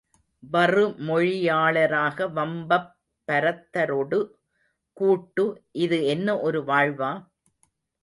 வறுமொழியாளராக வம்பப் பரத்தரொடு கூட்டு இது என்ன ஒரு வாழ்வா?